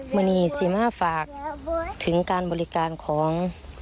วันนี้สีม่าฝากถึงการบริการของ